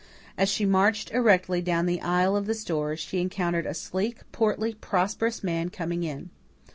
As she marched erectly down the aisle of the store, she encountered a sleek, portly, prosperous man coming in.